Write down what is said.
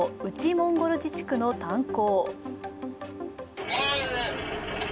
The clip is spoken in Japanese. モンゴル自治区の炭鉱。